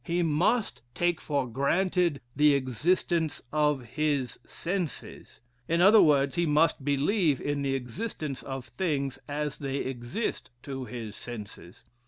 He must take for granted the evidence of his senses; in other words, he must believe in the existence of things, as they exist to his senses.